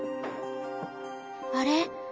あれ？